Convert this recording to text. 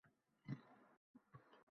Bilginki, yoningdaman?” deb ayting.